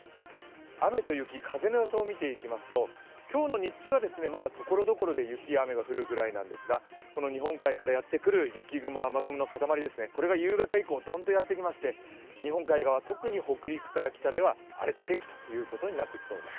雨と雪、風の予想を見ていきますと今日の日中はまだところどころで雪や雨が降るぐらいなんですがこの日本海からやってくる雪雲・雨雲の塊ですね、夕方以降、ドンとやって来まして日本海側、特に北陸から北では荒れた天気となっていきそうです。